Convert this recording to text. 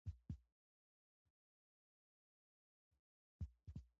حکومت د خلکو پر وړاندې مسوولیت لري